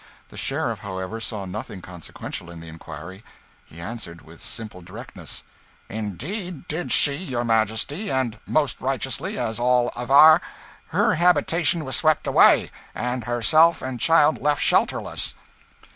The sheriff, however, saw nothing consequential in the inquiry; he answered, with simple directness "Indeed did she, your Majesty, and most righteously, as all aver. Her habitation was swept away, and herself and child left shelterless."